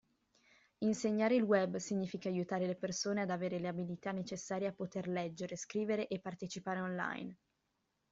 Insegnare il web significa aiutare le persone ad avere le abilità necessarie a poter leggere, scrivere e partecipare online.